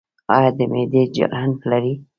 ایا د معدې جلن لرئ؟